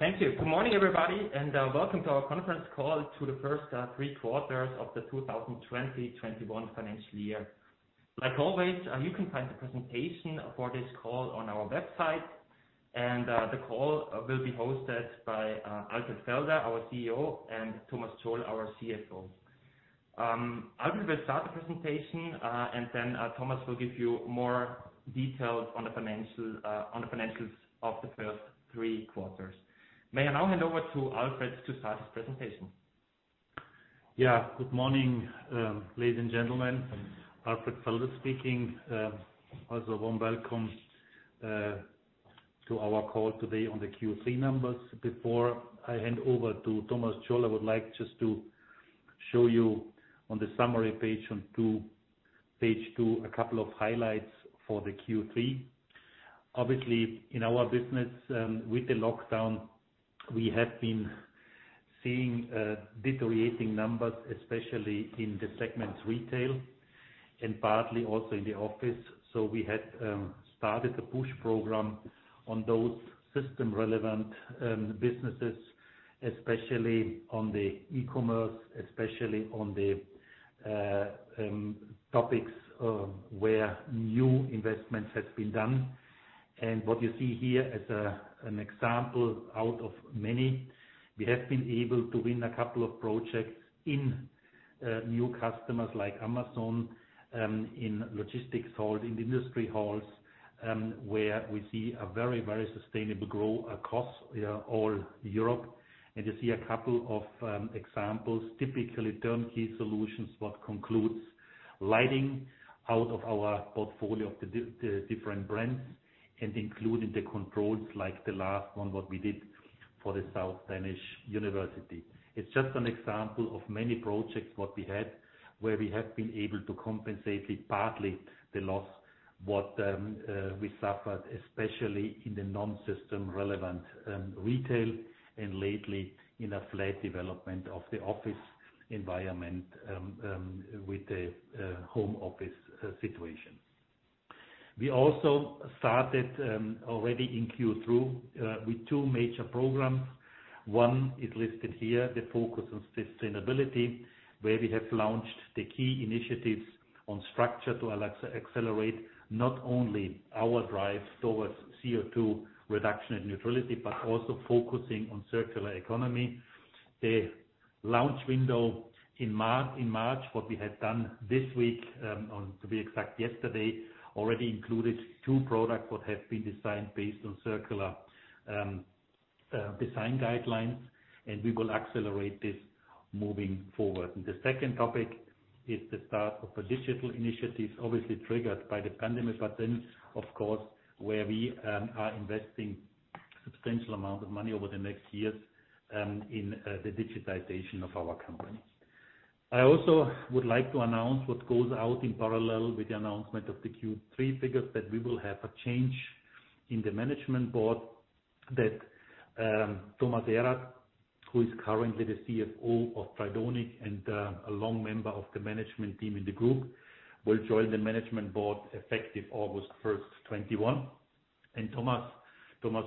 Thank you. Good morning, everybody. Welcome to our conference call to the first three quarters of the 2020/2021 financial year. Like always, you can find the presentation for this call on our website. The call will be hosted by Alfred Felder, our CEO, and Thomas Tschol, our CFO. Alfred will start the presentation. Thomas will give you more details on the financials of the first three quarters. May I now hand over to Alfred to start his presentation? Good morning, ladies and gentlemen, Alfred Felder speaking. Warm welcome to our call today on the Q3 numbers. Before I hand over to Thomas Tschol, I would like just to show you on the summary page two a couple of highlights for the Q3. Obviously, in our business, with the lockdown, we have been seeing deteriorating numbers, especially in the segments retail and partly also in the office. We had started a push program on those system relevant businesses, especially on the e-commerce, especially on the topics where new investments has been done. What you see here as an example out of many, we have been able to win a couple of projects in new customers like Amazon, in logistics halls, in industry halls, where we see a very sustainable growth across all Europe. You see a couple of examples, typically turnkey solutions, what concludes lighting out of our portfolio of the different brands and including the controls like the last one, what we did for the University of Southern Denmark. It's just an example of many projects what we had, where we have been able to compensate partly the loss, what we suffered, especially in the non-system relevant retail and lately in a flat development of the office environment with the home office situation. We also started already in Q2 with two major programs. One is listed here, the focus on sustainability, where we have launched the key initiatives on structure to accelerate not only our drive towards CO2 reduction and neutrality, but also focusing on circular economy. The launch window in March, that we have done this week, to be exact, yesterday, already included two products that have been designed based on circular design guidelines, we will accelerate this moving forward. The second topic is the start of a digital initiative, obviously triggered by the pandemic, of course, where we are investing substantial amount of money over the next years in the digitization of our company. I also would like to announce that goes out in parallel with the announcement of the Q3 figures, that we will have a change in the management board that Thomas Erath, who is currently the CFO of Tridonic and a long member of the management team in the group, will join the management board effective August 1st, 2021. Thomas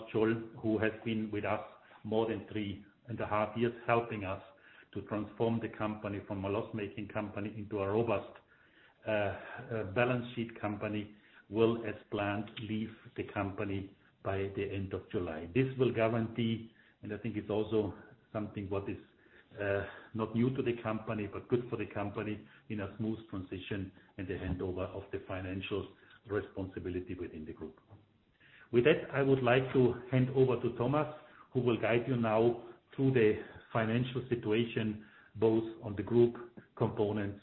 Tschol, who has been with us more than three and a half years, helping us to transform the company from a loss-making company into a robust balance sheet company, will, as planned, leave the company by the end of July. This will guarantee, and I think it's also something what is not new to the company, but good for the company in a smooth transition and the handover of the financial responsibility within the group. With that, I would like to hand over to Thomas, who will guide you now through the financial situation, both on the group components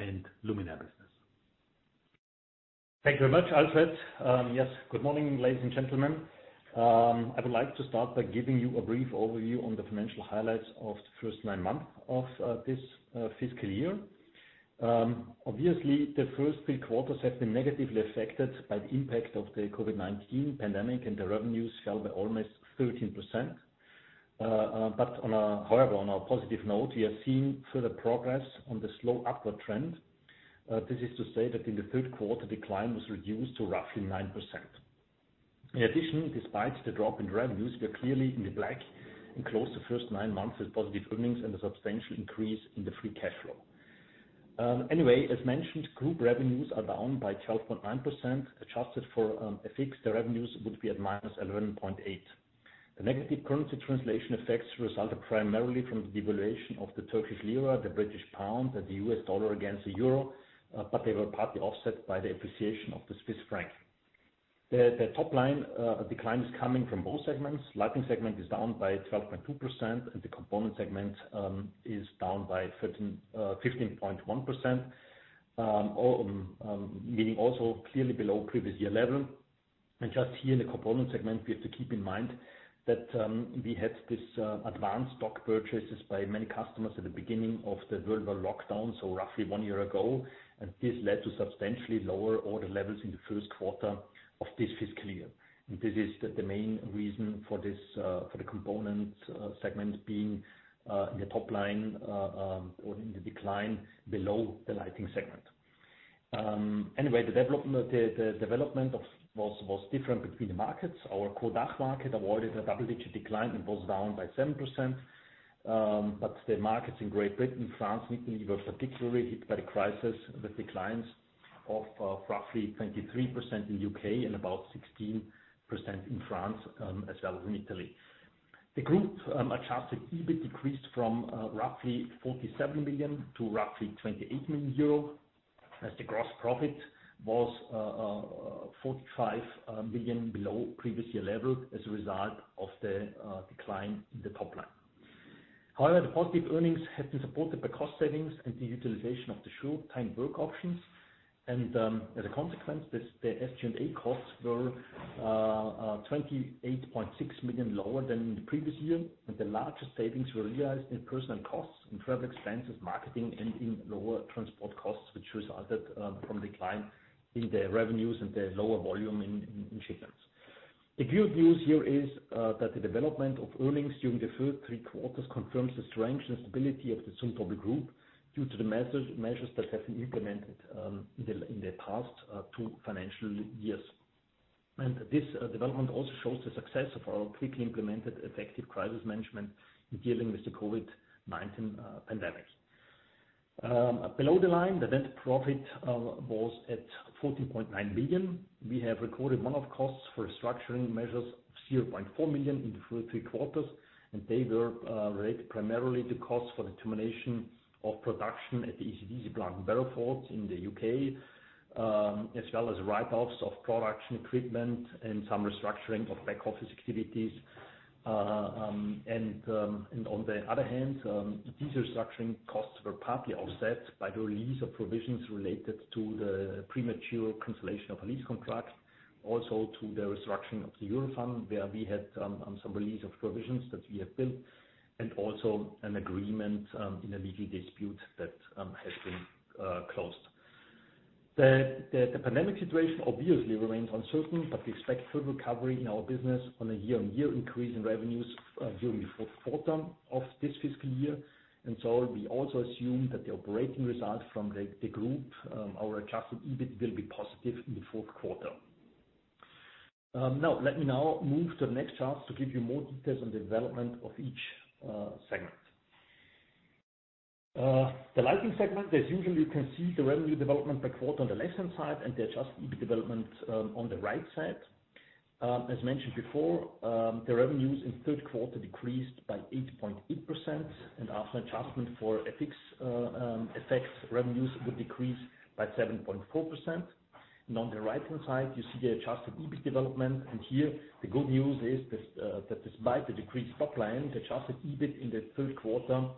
and luminaire business. Thank you very much, Alfred. Yes, good morning, ladies and gentlemen. I would like to start by giving you a brief overview on the financial highlights of the first nine months of this fiscal year. Obviously, the first three quarters have been negatively affected by the impact of the COVID-19 pandemic, and the revenues fell by almost 13%. However, on a positive note, we have seen further progress on the slow upward trend. This is to say that in the third quarter, decline was reduced to roughly 9%. In addition, despite the drop in revenues, we are clearly in the black and closed the first nine months with positive earnings and a substantial increase in the free cash flow. Anyway, as mentioned, group revenues are down by 12.9%. Adjusted for FX, the revenues would be at -11.8%. The negative currency translation effects resulted primarily from the devaluation of the Turkish lira, the British pound, and the US dollar against the euro, but they were partly offset by the appreciation of the Swiss franc. The top line decline is coming from both segments. Lighting segment is down by 12.2%, and the Component segment is down by 15.1%, meaning also clearly below previous year level. Just here in the Component segment, we have to keep in mind that we had this advanced stock purchases by many customers at the beginning of the global lockdown, so roughly one year ago. This led to substantially lower order levels in the first quarter of this fiscal year. This is the main reason for the Component segment being in the top line or in the decline below the Lighting segment. Anyway, the development was different between the markets. Our core DACH market avoided a double-digit decline and was down by 7%. The markets in Great Britain, France were particularly hit by the crisis, with declines of roughly 23% in the U.K. and about 16% in France, as well as in Italy. The group adjusted EBIT decreased from roughly 47 million to roughly 28 million euro, as the gross profit was 45 million below previous year level as a result of the decline in the top line. However, the positive earnings have been supported by cost savings and the utilization of the short-time work options. As a consequence, the SG&A costs were 28.6 million lower than in the previous year, and the largest savings were realized in personal costs, in travel expenses, marketing, and in lower transport costs, which resulted from decline in the revenues and the lower volume in shipments. The good news here is that the development of earnings during the first three quarters confirms the strength and stability of the Zumtobel Group due to the measures that have been implemented in the past two financial years. This development also shows the success of our quickly implemented effective crisis management in dealing with the COVID-19 pandemic. Below the line, the net profit was at 14.9 million. We have recorded one-off costs for restructuring measures of 0.4 million in the first three quarters. They were related primarily to costs for the termination of production at the acdc plant in Barrowford, in the U.K., as well as write-offs of production equipment and some restructuring of back office activities. On the other hand, these restructuring costs were partly offset by the release of provisions related to the premature cancellation of a lease contract, also to the restructuring of the Europhane, where we had some release of provisions that we have built, and also an agreement in a legal dispute that has been closed. The pandemic situation obviously remains uncertain, but we expect full recovery in our business on a year on year increase in revenues during the fourth quarter of this fiscal year. We also assume that the operating result from the group, our adjusted EBIT, will be positive in the fourth quarter. Let me now move to the next chart to give you more details on the development of each segment. The Lighting Segment, as usual, you can see the revenue development by quarter on the left-hand side and the adjusted EBIT development on the right side. As mentioned before, the revenues in third quarter decreased by 8.8%, and after adjustment for effects, revenues would decrease by 7.4%. On the right-hand side, you see the adjusted EBIT development. Here the good news is that despite the decreased top line, the adjusted EBIT in the third quarter is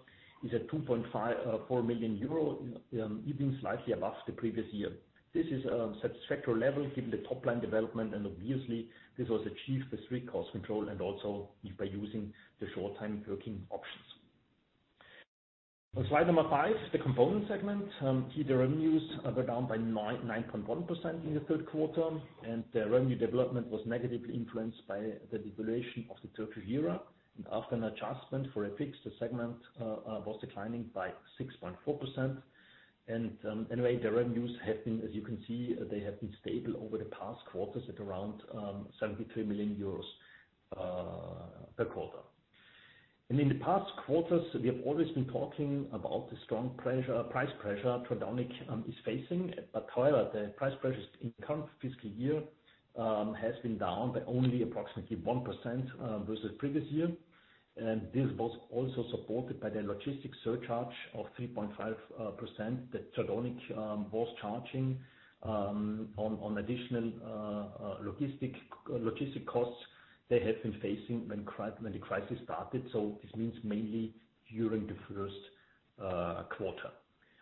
at 2.4 million euro, even slightly above the previous year. This is a satisfactory level given the top-line development, and obviously this was achieved with strict cost control and also by using the short-time working options. On slide number five, the Component Segment. Here the revenues were down by 9.1% in the third quarter, and the revenue development was negatively influenced by the devaluation of the Turkish lira. After an adjustment for FX, the segment was declining by 6.4%. Anyway, the revenues, as you can see, they have been stable over the past quarters at around 73 million euros per quarter. In the past quarters, we have always been talking about the strong price pressure Tridonic is facing, however, the price pressures in current fiscal year has been down by only approximately 1% versus previous year. This was also supported by the logistic surcharge of 3.5% that Tridonic was charging on additional logistic costs they have been facing when the crisis started. This means mainly during the first quarter.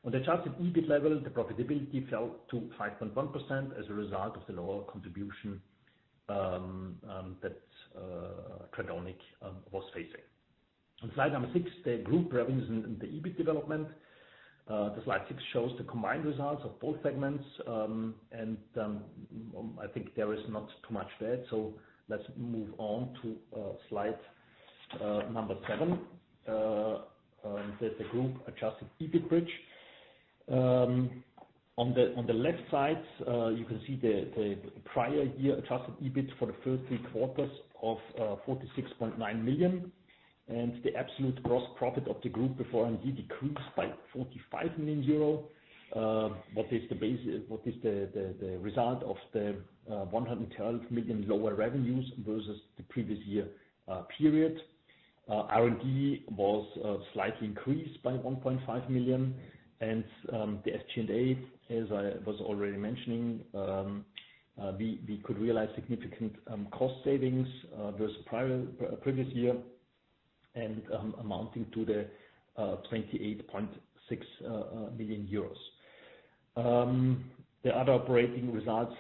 On the adjusted EBIT level, the profitability fell to 5.1% as a result of the lower contribution that Tridonic was facing. On slide number six, the group revenues and the EBIT development. The slide six shows the combined results of both segments, and I think there is not too much there. Let's move on to slide number seven. There is the group adjusted EBIT bridge. On the left side, you can see the prior year adjusted EBIT for the first three quarters of 46.9 million, and the absolute gross profit of the group before R&D decreased by 45 million euro. What is the result of the 112 million lower revenues versus the previous year period? R&D was slightly increased by 1.5 million and the SG&A, as I was already mentioning, we could realize significant cost savings versus previous year and amounting to the 28.6 million euros. The other operating results,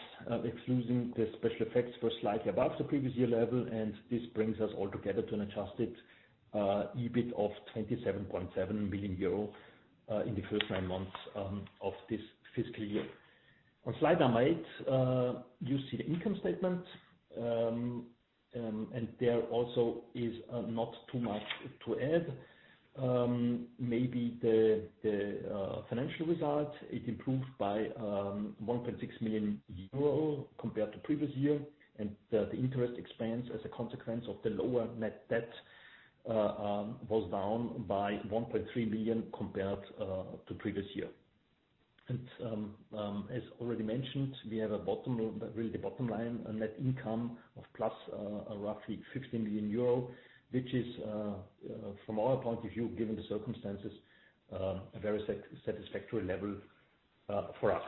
excluding the special effects, were slightly above the previous year level and this brings us all together to an adjusted EBIT of 27.7 million euro in the first nine months of this fiscal year. On slide number eight, you see the income statement. There also is not too much to add. Maybe the financial result, it improved by 1.6 million euro compared to previous year, and the interest expense as a consequence of the lower net debt was down by 1.3 million compared to previous year. As already mentioned, we have a bottom line net income of plus roughly 15 million euro, which is, from our point of view, given the circumstances, a very satisfactory level for us.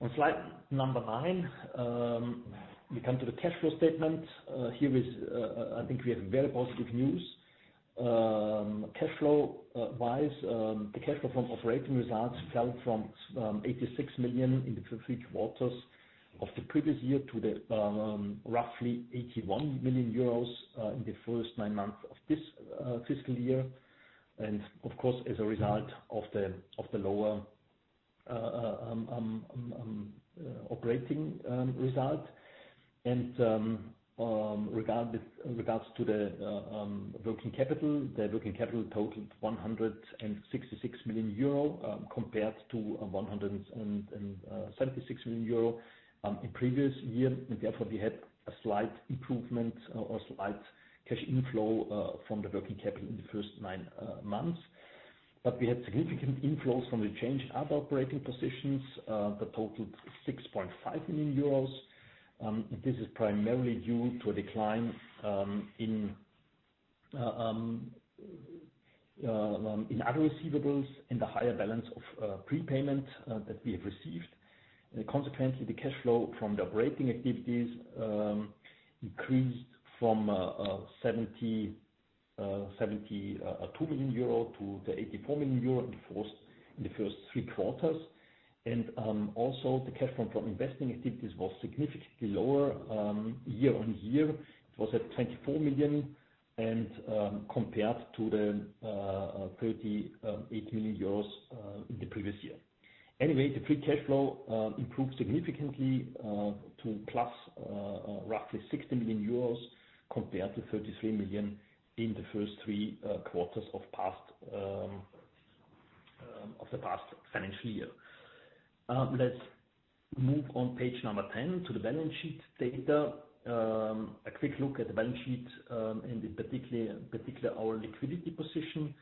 On slide number nine, we come to the cash flow statement. Here is, I think we have very positive news. Cash flow-wise, the cash flow from operating results fell from 86 million in the first three quarters of the previous year to the roughly 81 million euros in the first nine months of this fiscal year, and of course, as a result of the lower operating result. Regards to the working capital, the working capital totaled 166 million euro compared to 176 million euro in previous year. Therefore we had a slight improvement or slight cash inflow from the working capital in the first nine months. We had significant inflows from the change in other operating positions that totaled 6.5 million euros. This is primarily due to a decline in other receivables and the higher balance of prepayment that we have received. Consequently, the cash flow from the operating activities increased from 72 million-84 million euro in the first three quarters. Also the cash from investing activities was significantly lower year-over-year. It was at 24 million and compared to the 38 million euros in the previous year. Anyway, the free cash flow improved significantly to plus roughly 60 million euros compared to 33 million in the first three quarters of the past financial year. Let's move on page number 10 to the balance sheet data. A quick look at the balance sheet and in particular our liquidity position.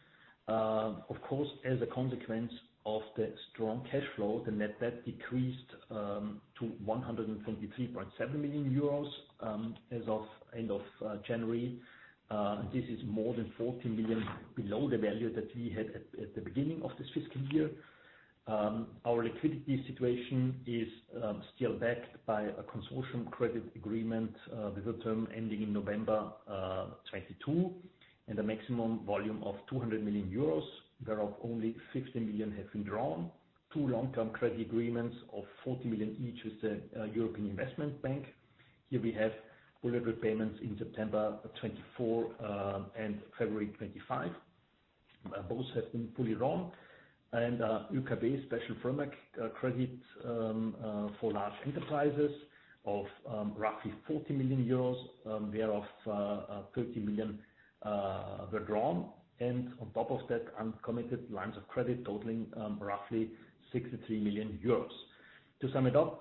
Of course, as a consequence of the strong cash flow, the net debt decreased to 123.7 million euros as of end of January. This is more than 14 million below the value that we had at the beginning of this fiscal year. Our liquidity situation is still backed by a consortium credit agreement with a term ending in November 2022 and a maximum volume of 200 million euros, thereof only 16 million has been drawn. Two long-term credit agreements of 40 million each with the European Investment Bank. Here we have full repayment in September 2024, and February 2025. Both have been fully drawn. [inaudible] special firm credit for large enterprises of roughly 40 million euros, thereof 30 million were drawn, and on top of that, uncommitted lines of credit totaling roughly 63 million euros. To sum it up,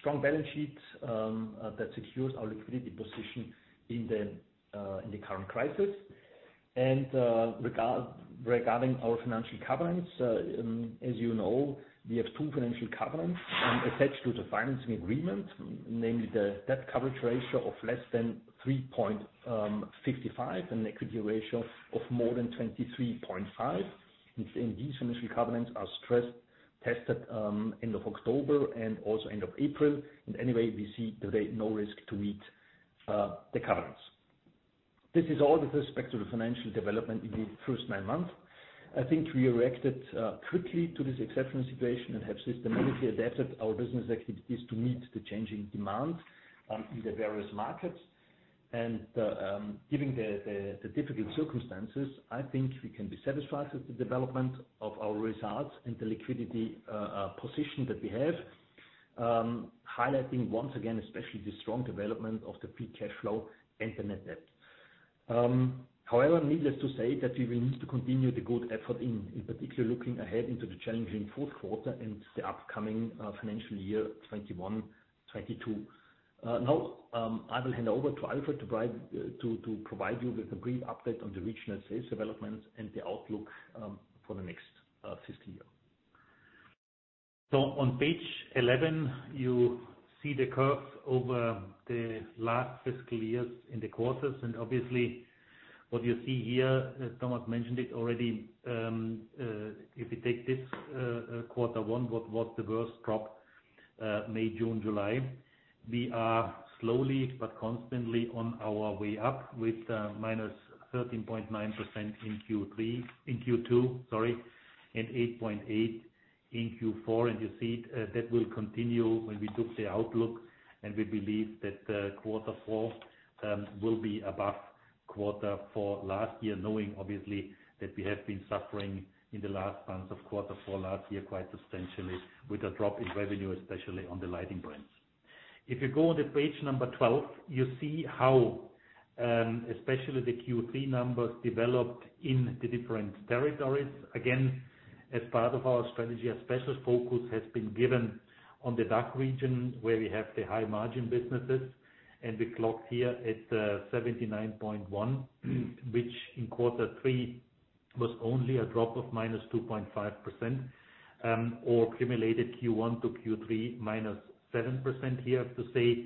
strong balance sheet that secures our liquidity position in the current crisis. Regarding our financial covenants, as you know, we have two financial covenants attached to the financing agreement, namely the debt coverage ratio of less than 3.55 and equity ratio of more than 23.5, and these financial covenants are stress tested end of October and also end of April, and anyway, we see today no risk to meet the covenants. This is all with respect to the financial development in the first nine months. I think we reacted quickly to this exceptional situation and have systematically adapted our business activities to meet the changing demands in the various markets. Given the difficult circumstances, I think we can be satisfied with the development of our results and the liquidity position that we have, highlighting once again, especially the strong development of the free cash flow and the net debt. However, needless to say that we will need to continue the good effort in particular looking ahead into the challenging fourth quarter and the upcoming financial year 2021/2022. Now, I will hand over to Alfred to provide you with a brief update on the regional sales developments and the outlook for the next fiscal year. On page 11, you see the curves over the last fiscal years in the quarters. Obviously what you see here, Thomas mentioned it already, if you take this quarter one, what was the worst drop, May, June, July. We are slowly but constantly on our way up with -13.9% in Q2, sorry, and 8.8% in Q4. You see that will continue when we took the outlook, and we believe that quarter four will be above quarter four last year, knowing obviously that we have been suffering in the last months of quarter four last year quite substantially with a drop in revenue, especially on the lighting brands. If you go on the page number 12, you see how, especially the Q3 numbers developed in the different territories. As part of our strategy, a special focus has been given on the DACH region, where we have the high margin businesses, and we clocked here at 79.1%. Which in quarter three was only a drop of -2.5%, or cumulated Q1 to Q3, -7% here to say.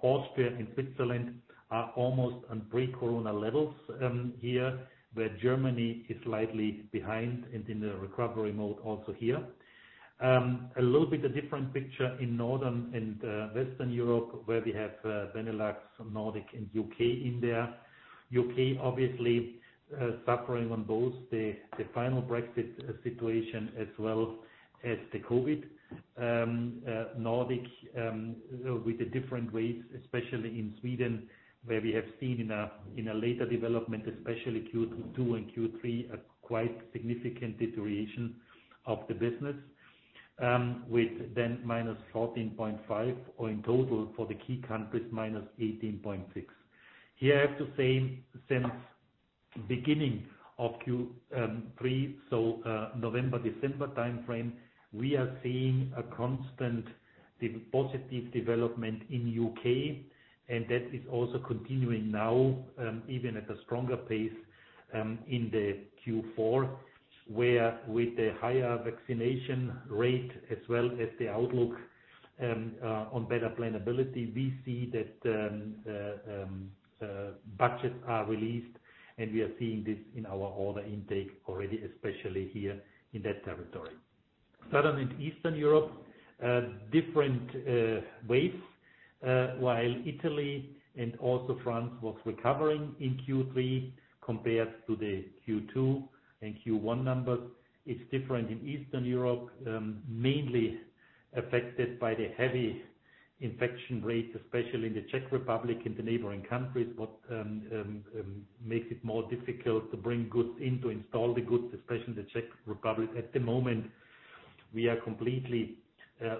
Austria and Switzerland are almost on pre-COVID levels here, where Germany is slightly behind and in the recovery mode also here. A little bit a different picture in Northern and Western Europe where we have Benelux, Nordic, and U.K. in there. U.K. obviously suffering on both the final Brexit situation as well as the COVID. Nordic, with the different waves, especially in Sweden, where we have seen in a later development, especially Q2 and Q3, a quite significant deterioration of the business, with then -14.5% or in total for the key countries, -18.6%. Here, I have to say, since beginning of Q3, so November, December timeframe, we are seeing a constant positive development in U.K., and that is also continuing now, even at a stronger pace, in the Q4, where with the higher vaccination rate as well as the outlook on better planability, we see that budgets are released, and we are seeing this in our order intake already, especially here in that territory. Southern and Eastern Europe, different waves, while Italy and also France was recovering in Q3 compared to the Q2 and Q1 numbers. It's different in Eastern Europe, mainly affected by the heavy infection rates, especially in the Czech Republic and the neighboring countries, what makes it more difficult to bring goods in, to install the goods, especially in the Czech Republic. At the moment, we are completely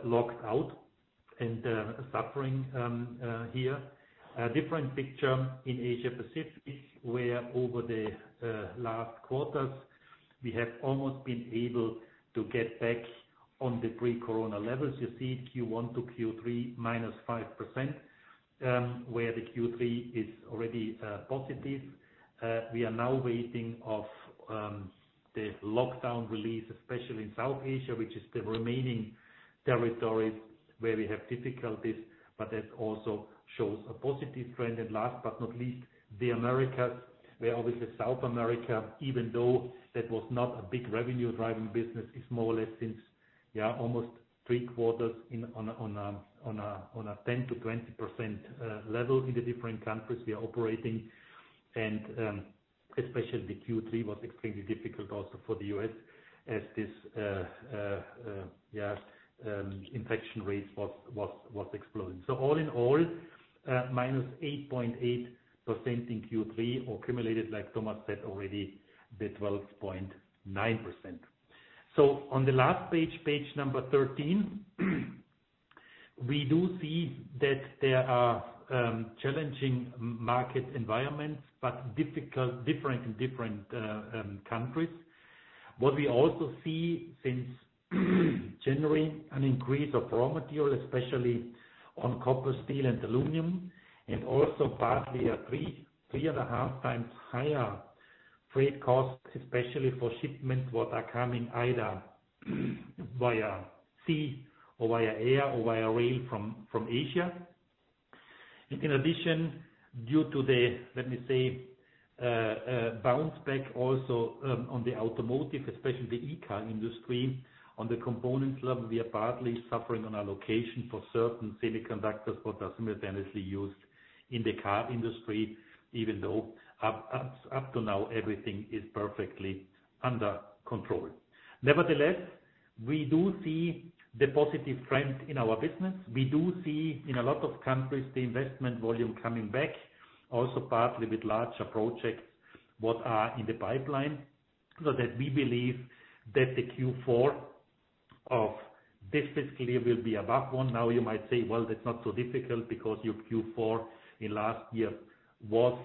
locked out and suffering here. A different picture in Asia Pacific, where over the last quarters, we have almost been able to get back on the pre-corona levels. You see Q1 to Q3, -5%, where the Q3 is already positive. We are now waiting of the lockdown release, especially in South Asia, which is the remaining territories where we have difficulties, but that also shows a positive trend. Last but not least, the Americas, where obviously South America, even though that was not a big revenue-driving business, is more or less since, yeah, almost three quarters on a 10%-20% level in the different countries we are operating. Especially the Q3 was extremely difficult also for the U.S. as this infection rates was exploding. All in all, -8.8% in Q3 or cumulated, like Thomas said already, the 12.9%. On the last page 13, we do see that there are challenging market environments, different in different countries. What we also see since January, an increase of raw material, especially on copper, steel, and aluminum, and also partly a 3.5x higher freight costs, especially for shipments that are coming either via sea or via air or via rail from Asia. In addition, due to the, let me say, bounce back also on the automotive, especially the e-car industry on the components level, we are partly suffering on allocation for certain semiconductors that are simultaneously used in the car industry, even though up to now, everything is perfectly under control. Nevertheless, we do see the positive trend in our business. We do see in a lot of countries the investment volume coming back, also partly with larger projects, what are in the pipeline, so that we believe that the Q4 of this fiscal year will be above one. You might say, "Well, that's not so difficult because your Q4 in last year was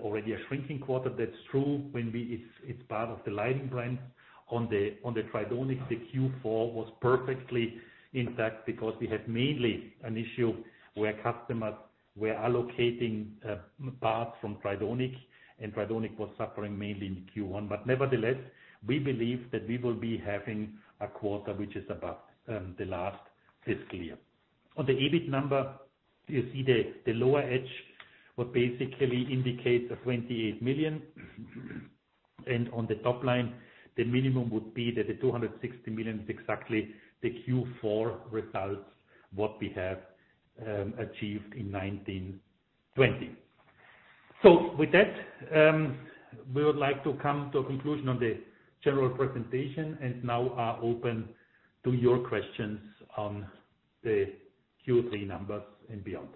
already a shrinking quarter." That's true. It's part of the lighting brand. On the Tridonic, the Q4 was perfectly intact because we had mainly an issue where customers were allocating, parts from Tridonic, and Tridonic was suffering mainly in the Q1. Nevertheless, we believe that we will be having a quarter which is above the last fiscal year. On the EBIT number, you see the lower edge, what basically indicates a 28 million. On the top line, the minimum would be that the 260 million is exactly the Q4 results, what we have achieved in 2019/2020. With that, we would like to come to a conclusion on the general presentation and now are open to your questions on the Q3 numbers and beyond.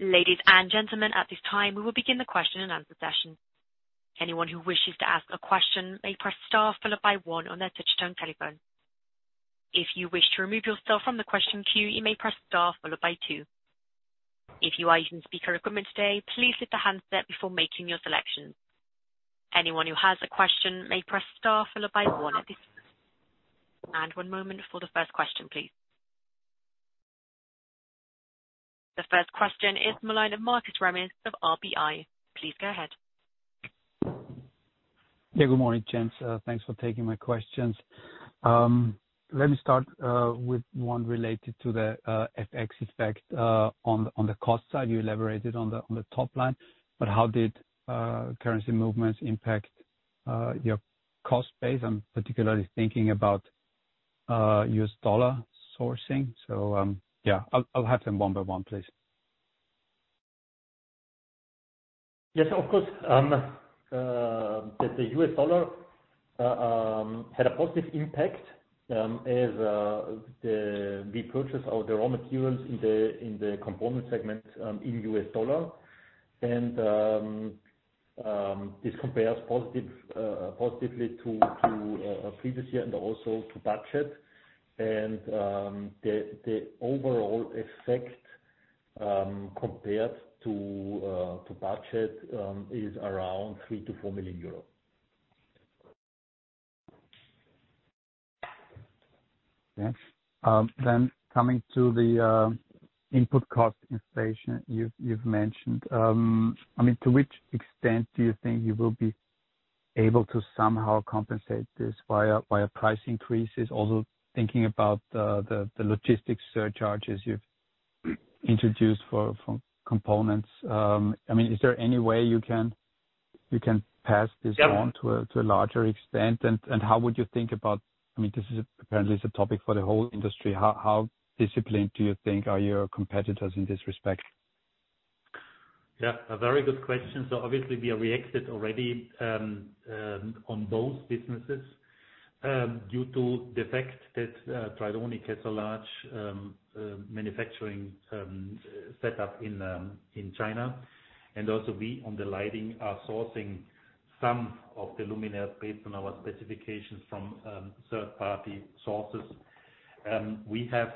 Ladies and gentlemen at this time we will begin our question and answer session. Anyone who wishes to ask a question may press star followed by one on the touchtone telephone. If you wish to remove yourself from the question queue you may press star followed by two. If you are using speaker equipment please lift the handset before making your selection. Anyone who has a question may press star followed by one One moment for the first question, please. The first question is [inaudible] of Markus Remis of RBI. Please go ahead. Yeah. Good morning, gents. Thanks for taking my questions. Let me start with one related to the FX effect on the cost side. You elaborated on the top line, but how did currency movements impact your cost base? I'm particularly thinking about US dollar sourcing. Yeah, I'll have them one by one, please. Yes, of course. The US dollar had a positive impact, as we purchase our raw materials in the Component Segment in US dollar. This compares positively to previous year and also to budget. The overall effect, compared to budget, is around 3 million-4 million euros. Yes. Coming to the input cost inflation you've mentioned. To which extent do you think you will be able to somehow compensate this via price increases? Thinking about the logistics surcharges you've introduced for components. Is there any way you can pass this on? Yeah to a larger extent? How would you think about, this is apparently is a topic for the whole industry, how disciplined do you think are your competitors in this respect? A very good question. Obviously we have reacted already on both businesses due to the fact that Tridonic has a large manufacturing setup in China and also we, on the lighting, are sourcing some of the luminaire based on our specifications from third-party sources. We have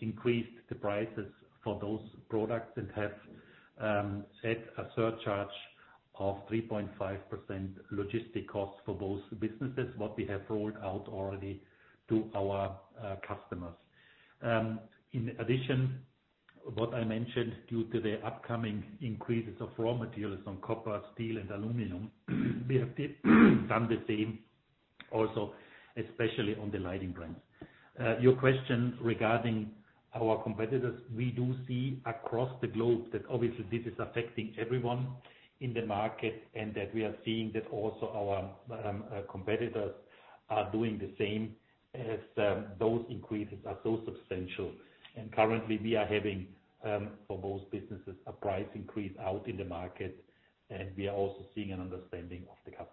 increased the prices for those products and have set a surcharge of 3.5% logistic cost for both businesses, what we have rolled out already to our customers. In addition, what I mentioned due to the upcoming increases of raw materials on copper, steel and aluminum, we have done the same also, especially on the lighting brands. Your question regarding our competitors. We do see across the globe that obviously this is affecting everyone in the market, and that we are seeing that also our competitors are doing the same as those increases are so substantial. Currently, we are having, for both businesses, a price increase out in the market, and we are also seeing an understanding of the customers.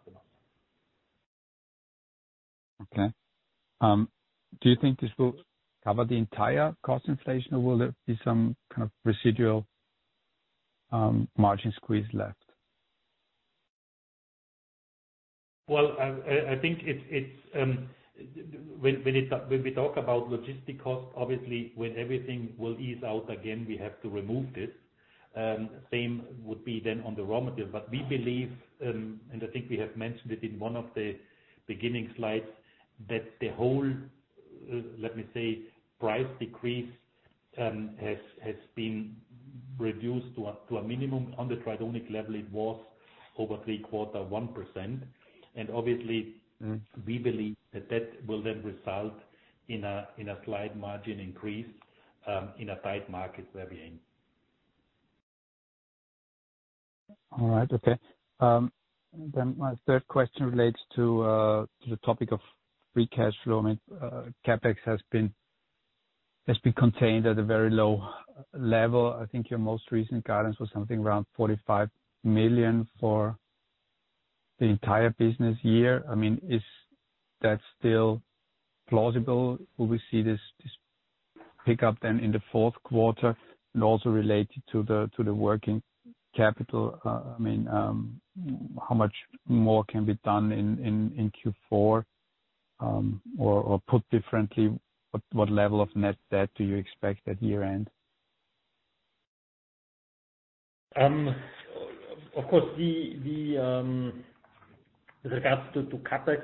Okay. Do you think this will cover the entire cost inflation, or will there be some kind of residual margin squeeze left? Well, I think when we talk about logistics cost, obviously when everything will ease out again, we have to remove this. Same would be then on the raw materials. We believe, and I think we have mentioned it in one of the beginning slides, that the whole, let me say, price decrease has been reduced to a minimum. On the Tridonic level, it was over three quarters, 1% and obviously we believe that that will then result in a slight margin increase in a tight market where we aim. All right. Okay. My third question relates to the topic of free cash flow. CapEx has been contained at a very low level. I think your most recent guidance was something around 45 million for the entire business year. Is that still plausible? Will we see this pick up then in the fourth quarter? Also related to the working capital, how much more can be done in Q4? Or put differently, what level of net debt do you expect at year-end? Of course, with regards to CapEx,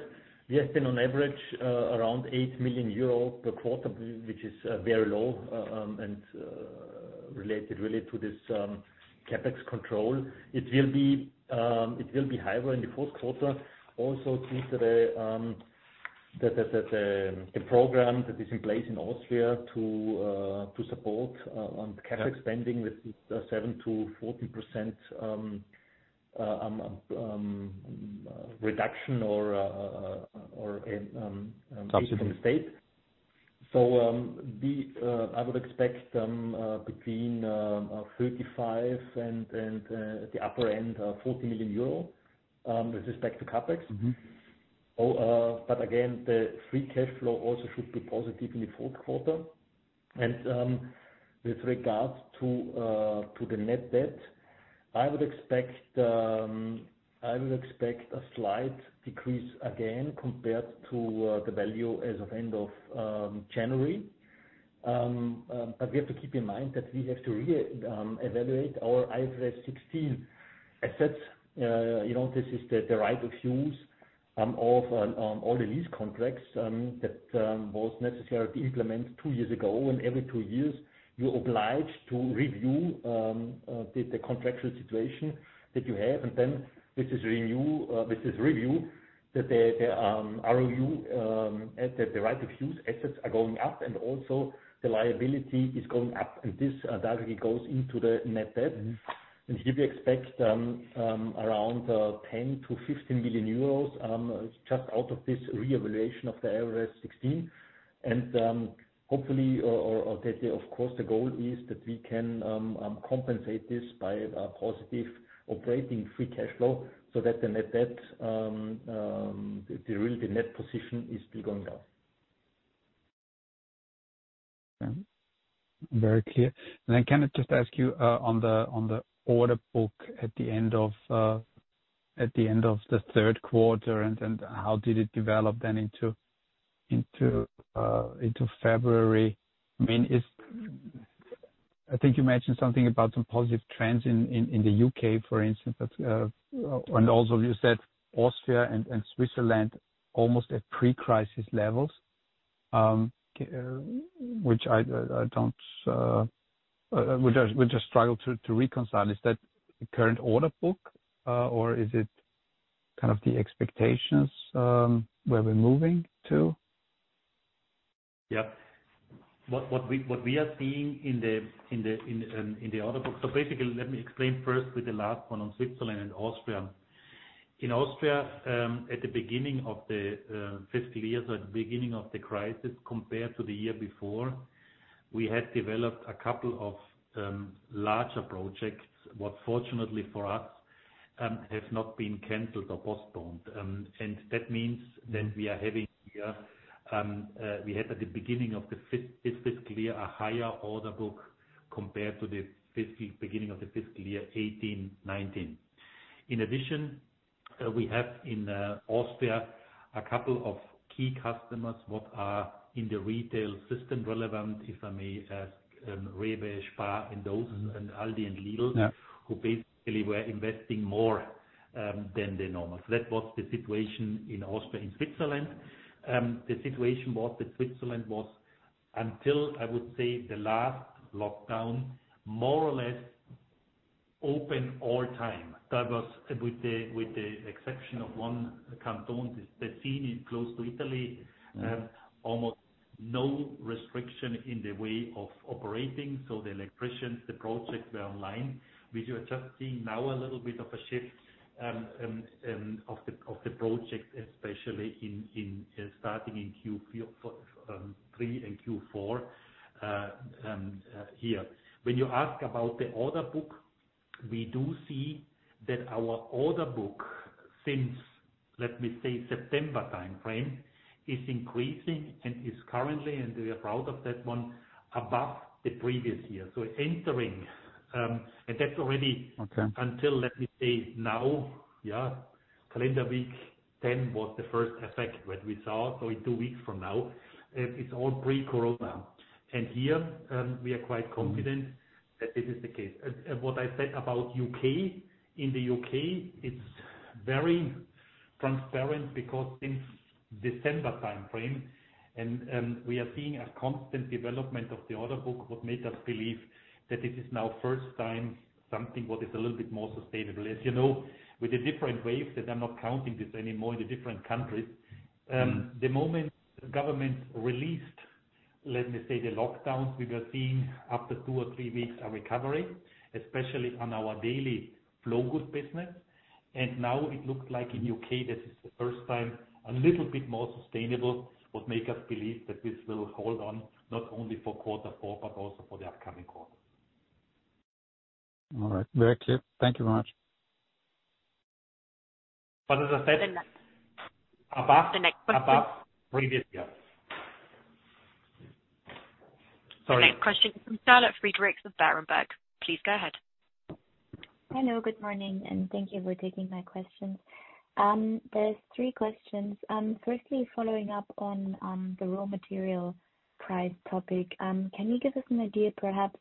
we have been on average around 8 million euros per quarter, which is very low. Related really to this CapEx control, it will be higher in the fourth quarter also due to the program that is in place in Austria to support on CapEx spending with 7%-14% reduction. Subsidy I would expect between 35 million and at the upper end, 40 million euro with respect to CapEx. Again, the free cash flow also should be positive in the fourth quarter. With regards to the net debt, I would expect a slight decrease again compared to the value as of end of January. We have to keep in mind that we have to re-evaluate our IFRS 16 assets. This is the right of use of all the lease contracts that was necessary to implement two years ago. Every two years, you are obliged to review the contractual situation that you have, and then with this review, that the ROU, the right of use assets are going up, and also the liability is going up. That goes into the net debt. Here we expect around 10 million-15 million euros just out of this reevaluation of the IFRS 16. Of course, the goal is that we can compensate this by a positive operating free cash flow so that the net position is still going down. Very clear. Can I just ask you on the order book at the end of the third quarter, and how did it develop then into February? I think you mentioned something about some positive trends in the U.K., for instance, and also you said Austria and Switzerland, almost at pre-crisis levels, which I would just struggle to reconcile. Is that the current order book, or is it the expectations where we're moving to? Basically, let me explain first with the last one on Switzerland and Austria. In Austria, at the beginning of the fiscal year, so at the beginning of the crisis, compared to the year before, we had developed a couple of larger projects, what fortunately for us, have not been canceled or postponed. That means that we have at the beginning of this fiscal year, a higher order book compared to the beginning of the fiscal year 2018/2019. In addition, we have in Austria a couple of key customers what are in the retail system relevant, if I may ask, REWE, SPAR, Aldi, and Lidl, who basically were investing more than the normal. That was the situation in Austria. In Switzerland, the situation was that Switzerland was, until, I would say, the last lockdown, more or less open all time. That was with the exception of one canton, Ticino, close to Italy. almost no restriction in the way of operating. The electricians, the projects were online. We are just seeing now a little bit of a shift of the projects, especially starting in Q3 and Q4 here. When you ask about the order book, we do see that our order book since, let me say, September timeframe, is increasing and is currently, and we are proud of that one, above the previous year. Entering, and that's already- Okay until, let me say now, calendar week 10 was the first effect that we saw. In two weeks from now. It's all pre-COVID. Here, we are quite confident that this is the case. What I said about U.K., in the U.K., it's very transparent because since December timeframe, and we are seeing a constant development of the order book, what made us believe that this is now first time something what is a little bit more sustainable. You know, with the different waves, that I'm not counting this anymore in the different countries. The moment governments released, let me say, the lockdowns, we were seeing after two or three weeks, a recovery, especially on our daily flow goods business. Now it looks like in U.K., this is the first time a little bit more sustainable, what make us believe that this will hold on, not only for quarter four, but also for the upcoming quarters. All right. Very clear. Thank you very much. But as I said- The next- Above- The next question. Previous year. Sorry. Next question from Charlotte Friedrichs with Berenberg. Please go ahead. Hello, good morning. Thank you for taking my questions. There's three questions. Firstly, following up on the raw material price topic. Can you give us an idea perhaps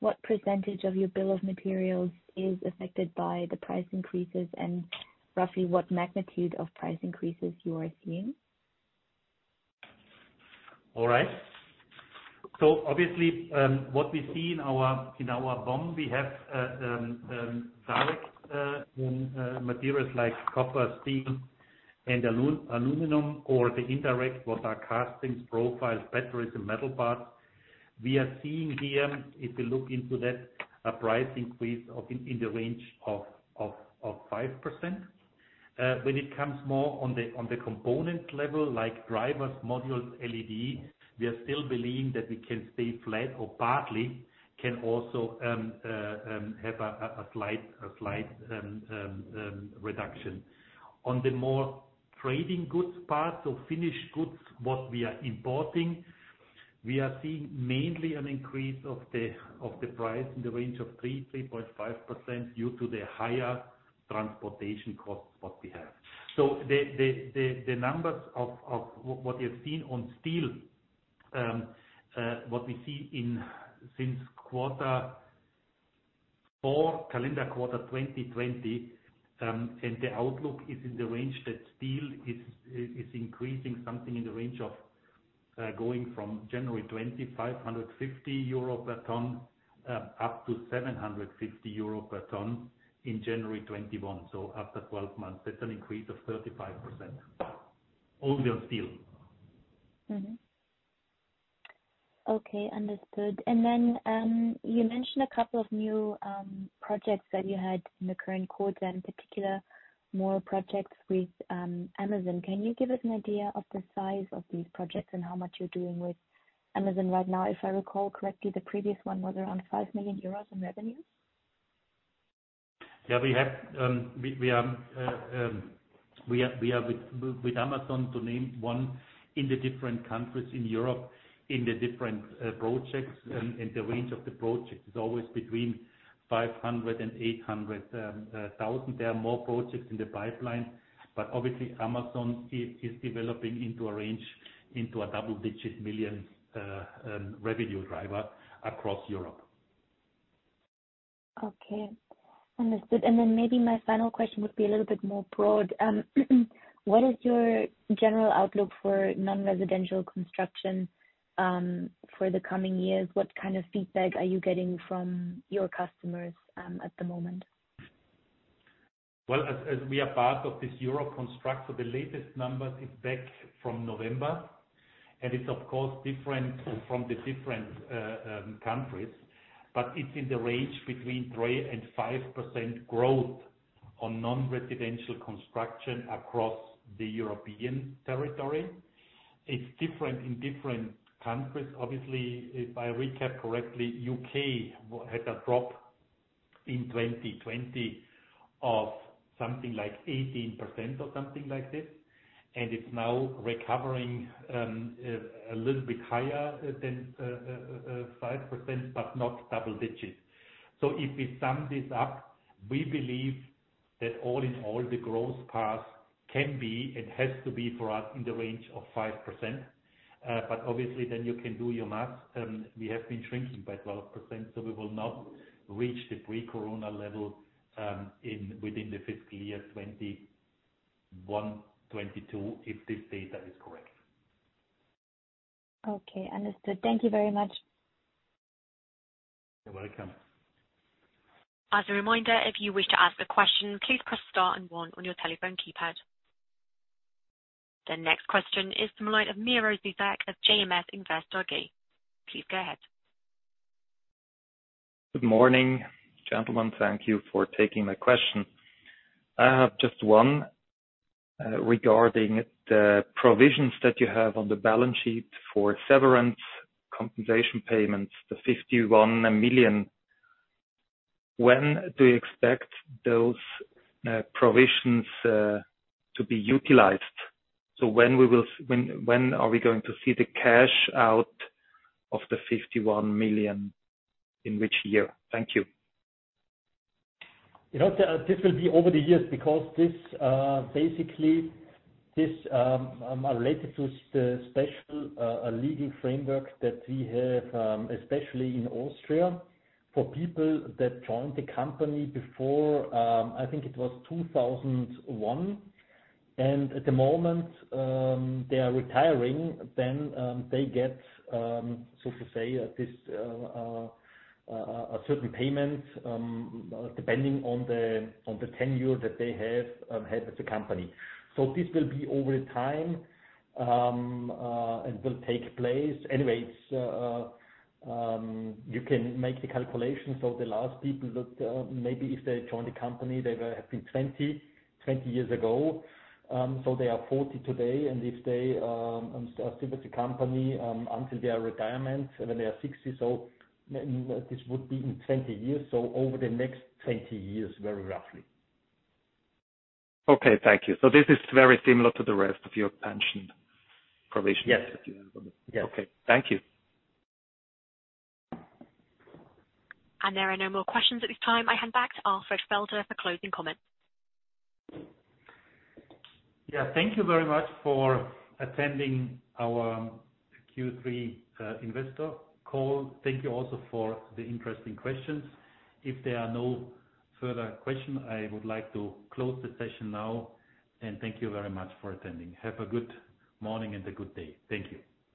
what percentage of your bill of materials is affected by the price increases and roughly what magnitude of price increases you are seeing? All right. Obviously, what we see in our BOM, we have direct materials like copper, steel, and aluminum or the indirect, what are castings, profiles, batteries, and metal parts. We are seeing here, if you look into that, a price increase in the range of 5%. When it comes more on the component level, like drivers, modules, LED, we are still believing that we can stay flat or partly can also have a slight reduction. On the more trading goods part, finished goods, what we are importing, we are seeing mainly an increase of the price in the range of 3%-3.5% due to the higher transportation costs what we have. The numbers of what you have seen on steel, what we see since quarter four, calendar quarter 2020, and the outlook is in the range that steel is increasing something in the range of going from January 2020, 550 euro per ton up to 750 euro per ton in January 2021. After 12 months, that's an increase of 35%. Only on steel. Mm-hmm. Okay, understood. Then you mentioned a couple of new projects that you had in the current quarter, in particular, more projects with Amazon. Can you give us an idea of the size of these projects and how much you're doing with Amazon right now? If I recall correctly, the previous one was around 5 million euros in revenue. Yeah. We are with Amazon, to name one, in the different countries in Europe, in the different projects. The range of the projects is always between 500,000 and 800,000. There are more projects in the pipeline. Obviously Amazon is developing into a range, into a double-digit million revenue driver across Europe. Okay, understood. Maybe my final question would be a little bit more broad. What is your general outlook for non-residential construction for the coming years? What kind of feedback are you getting from your customers at the moment? Well, as we are part of this EUROCONSTRUCT, the latest numbers are back from November, and it is of course different from the different countries, but it is in the range between 3% and 5% growth on non-residential construction across the European territory. It is different in different countries. Obviously, if I recap correctly, U.K. had a drop in 2020 of something like 18% or something like this, and it is now recovering a little bit higher than 5%, but not double digits. If we sum this up, we believe that all in all, the growth path can be and has to be for us in the range of 5%. Obviously, then you can do your math. We have been shrinking by 12%, we will not reach the pre-Corona level within the fiscal year 2021/2022, if this data is correct. Okay, understood. Thank you very much. You're welcome. As a reminder, if you wish to ask a question, please press star and one on your telephone keypad. The next question is from the line of Miro Zuzak of JMS Invest AG. Please go ahead. Good morning, gentlemen. Thank you for taking my question. I have just one regarding the provisions that you have on the balance sheet for severance compensation payments, the 51 million. When do you expect those provisions to be utilized? When are we going to see the cash out of the 51 million, in which year? Thank you. This will be over the years because this basically related to the special legal framework that we have, especially in Austria, for people that joined the company before, I think it was 2001. At the moment they are retiring, then they get, so to say, a certain payment, depending on the tenure that they have had with the company. This will be over time, and will take place. Anyway, you can make the calculations of the last people that maybe if they joined the company, they have been 20 years ago, so they are 40 today. If they are still with the company until their retirement and then they are 60, so this would be in 20 years, so over the next 20 years, very roughly. Okay, thank you. This is very similar to the rest of your pension provisions. Yes. Okay. Thank you. There are no more questions at this time. I hand back to Alfred Felder for closing comments. Yeah. Thank you very much for attending our Q3 investor call. Thank you also for the interesting questions. If there are no further questions, I would like to close the session now, and thank you very much for attending. Have a good morning and a good day. Thank you.